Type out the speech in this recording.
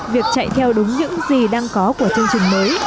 việc chạy theo đúng những gì đang có của chương trình mới